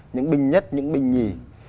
những binh nhất những binh nhì